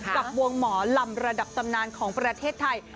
กับวงหมอลำระดับตำนานของประเทศไทย